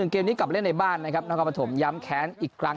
เกมนี้กลับมาเล่นในบ้านนะครับนักการประถมย้ำแขนอีกครั้ง